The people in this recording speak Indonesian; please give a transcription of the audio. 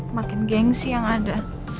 makin geng sih yang ada